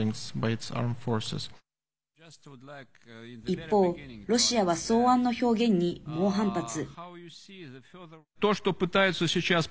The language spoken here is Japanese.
一方、ロシアは草案の表現に猛反発。